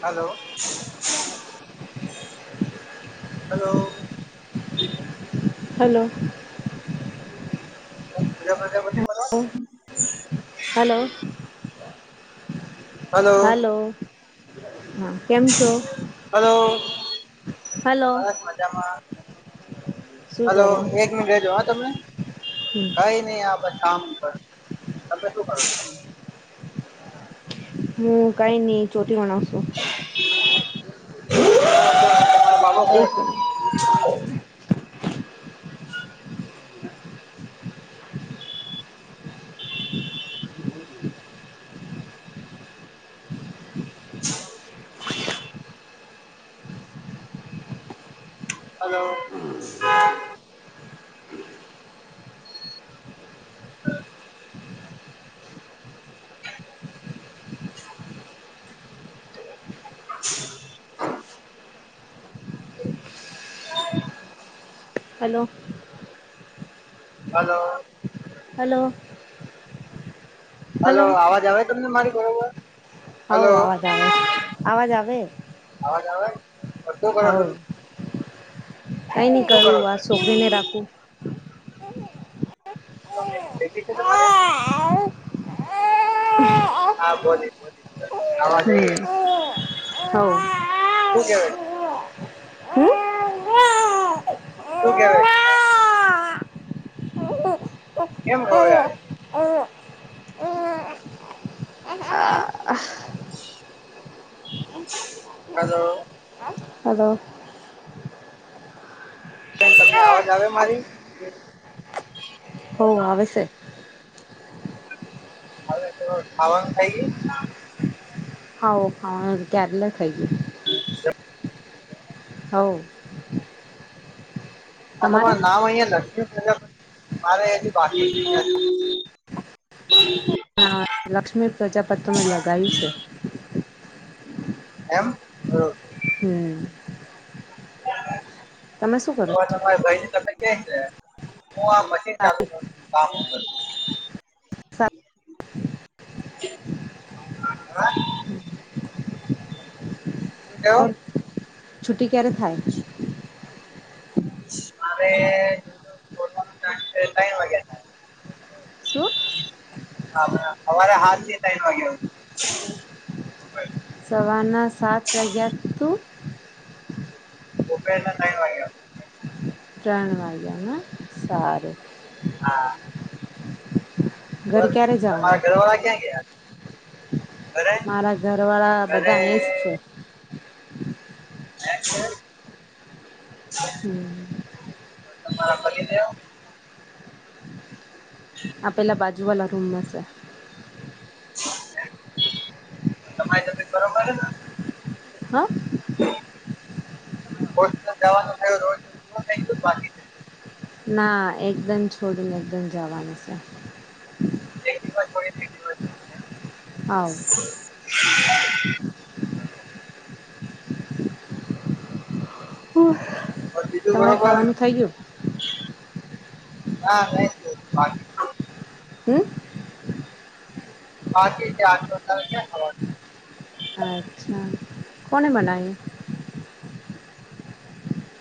Hello hello hello [unintelligible] hello hello. હા કેમ છો હલો હલો. બસ મજામાં શું હલો કરો એક મિનટ રેજો હા તમે હમ કઈ [unintelligible] હું કઈ ની ચોંટી બનાવું શું [inaudible] એક minute. [inaudible] Hello. [inaudible] [inaudible] [inaudible] Hello hello hello hello આવાજ આવે તમને મારી બરોબર. હવ હલો અવાજ આવે અવાજ આવે. અવાજ આવે શું કરો હવ છો કઈ નહી શું કરો સર કરું આ છોકરીને રાખું ગમે ભેગી છે તમારે. હા બોલીશ બોલીશ બો આવા જઈ હમ હવ શું કેવા છે હમ શું કેવે છે હલો કેમ ગવેજ ઓવો હલો હાલો બેન તમને આવાજ આવે મારી. હો આવે છે. આવે તો ખાવાનું થઈ ગઈ. હાવ ખાવાનું ટ ક્યારના ખઈ ગઈ [inaudible] હોવ. આ તમારે તમાર નામ અહીંયા કે પેલા મારે હજી બાકી [inaudible] [inaudible] લક્ષ્મી પ્રજાપત તમે લગાવ્યું છે એમ બરોબર [inaudible] તમે શું કરો? તમારી ભાઈ ની તમે કે છે હું આ મશીન ચાલુ કરુ બા [inaudible] શું કેવું ઓર છુંટી ક્યારે થાય? મારે છૂટવાનો ટાઈમ તઈણ વાગ્યે થાય. શું હા અમારે હાલીએ તઈણ વાગ્યા હુદી સવાર ના સાત વાગ્યા તુ દુપહેર રા ત્રણ વાગ્યા ના સારું. હા. ઘર ક્યારે જવાનો. [unintelligible] ગ્યા. મારા ઘરવાળા ઘરે બધા અહીંજ છે. આ એજ છે હમ અન તમારા પતિદેવ આ પેલા બાજુ વાલા રૂમમાં છે. તમારી તબિયત બરોબર હેને હ અ હોસ્ટલ જવાનું થાય [unintelligible] [unintelligible] બાકી નઈ ના એકદમ છોડી ને એકદમ જવાનું છે. બે દિવસ પણ એક બે દિવસ જવાનું એમ આવ બોલ બીજું તમારે બરોબર ખાવાનું થઈ ગયું ના નઈ થયુ હજુ બાકી છે હમ્મ બાકી [unintelligible] ક્યાં થવાનું. અચ્છા. કોને મનાવી.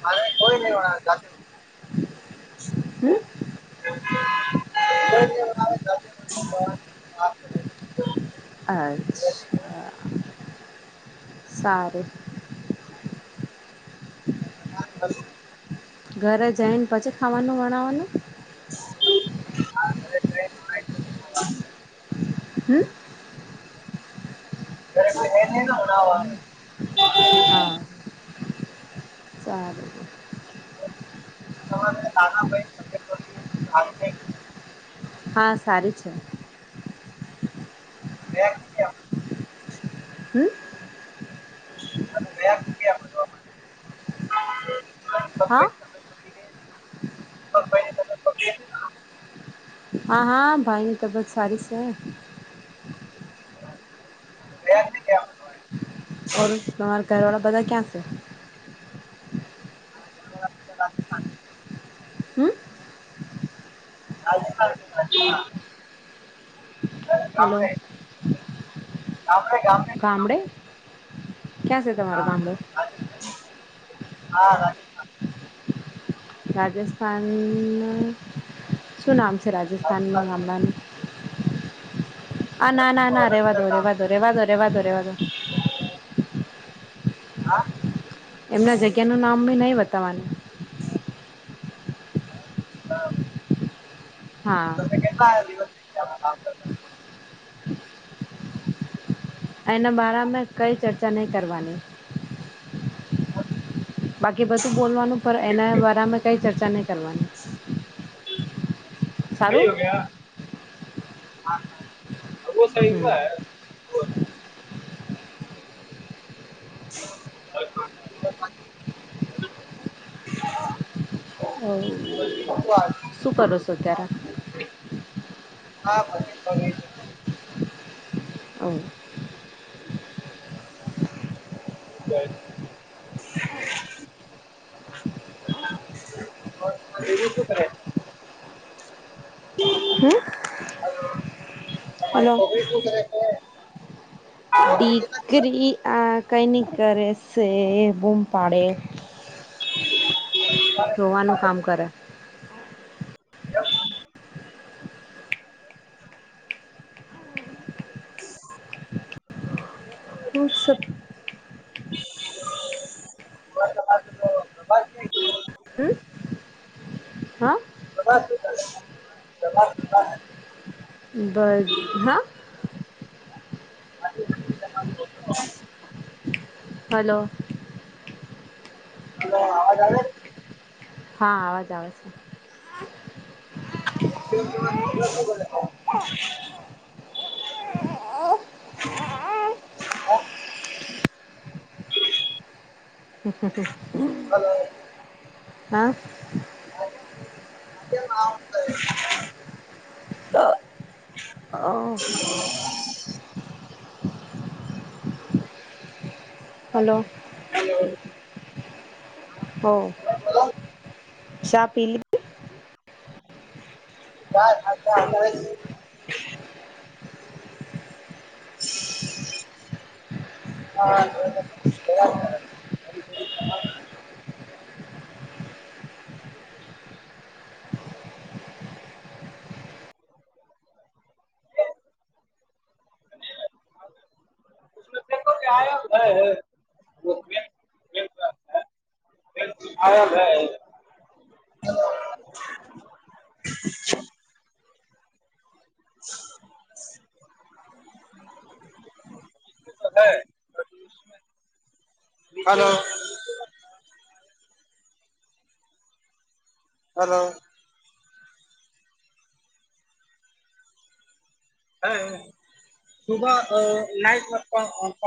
મારે કોઈ નહી બના જાતે હમ [inaudible] અચ્છ સારુ. જ્ઞાન ફળિયું ઘરે જઈન પછી ખાવાનું બનાવાનું [inaudible] હમ્મ. [unintelligible] આવે હા. સારુ [inaudible] હા, સારી છે. એમ હમ્મ તમે ગયા ને ગયા [unintelligible] જોવા માટે હા [inaudible] હા હા ભાઈની તબિયત સારી છે. ર્યાજ ને ક્યા ઓ તમારા ઘરવાળા બધા ક્યાં છે [unintelligible] હમ આજે મારા ઘરે. [unintelligible] હલો. ગામરે ગામરે. ગામડે ક્યાં છે તમારો ગામડુ. હા રા. રાજસ્થાની. શું નામ છે રાજસ્થાનમાં હમલાનું. હ ના ના ઉદયપુરમાં ના વધારે તો રેવા વધારે કામ રેવા ધો રેવા દો રેવા દો રેવા હા એમના જગ્યાનું નામ બી નહીં વતાવવાનું. બરાબર. હા. બાર દિવસ. કરતા હા એના બારામે કઈ ચર્ચા નહીં કરવાની. બાકી બધું બોલવાનું પણ એના વારા અમે કઈ ચર્ચા નહી કરવાની. સારું. હા હા વો સૈકો હમ હે. [unintelligible] હ શું કરો છો ત્યારે. આ. [unintelligible] અવ. [unintelligible] બીજું શું કરે. હમ હલો. બીજું શું કરે કવ. કેટલા ટીકરી આ કંઈ ની કરે છે બૂમ પાડે [unintelligible] તમારે કેમ રોવાનું કામ પાડે કરે પ્રભાસ [inaudible] ઓર સબ. [inaudible] બાસ. હમ્મ. બગાસું. દબાણ હોતા હૈ. ભલ હા. હલો. હવે અવાજ આવે છે. હા આવાજ આવે છે. એકટીવા જોવા બબલા શુ કરે. હ હ હ હા. અને. [unintelligible] હા [inaudible] હલો. હલો. હોવ ચા પીલી. ચા અતા અત્યારેજ. [unintelligible] [inaudible] હે [inaudible] આ [inaudible] હલો, હલો, હ સુભ નાઈટ [inaudible]